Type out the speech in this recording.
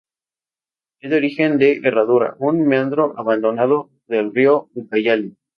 Es de origen de herradura, un meandro abandonado, del río Ucayali.